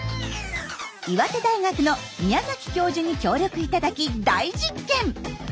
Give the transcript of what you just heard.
岩手大学の宮崎教授に協力いただき大実験。